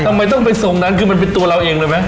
ทำไมต้องไปทรงนั้นคือมันเป็นตัวเราเองเลยไหม